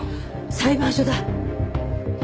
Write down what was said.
裁判所だ。